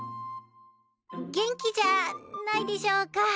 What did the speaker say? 元気じゃないでぃしょうか。